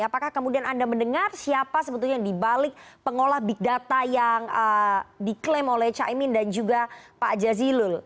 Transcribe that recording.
apakah kemudian anda mendengar siapa sebetulnya yang dibalik pengolah big data yang diklaim oleh caimin dan juga pak jazilul